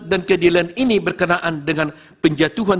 dan keadilan ini berkenaan dengan penjatuhan